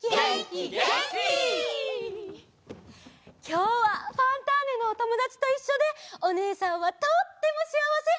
きょうは「ファンターネ！」のおともだちといっしょでおねえさんはとってもしあわせ！